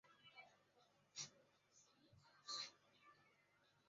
自链霉菌属分离的多肽抗生素。